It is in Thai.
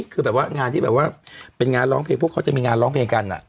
คือแบบว่างานที่แบบว่าเป็นงานร้องเพลงพวกเขาจะมีงานร้องเพลงกัน